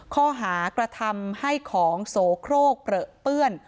ข้อหากระทำให้ของโสโครกเปลือเปื้อน